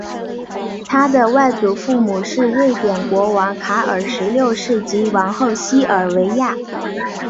他的外祖父母是瑞典国王卡尔十六世及王后西尔维娅。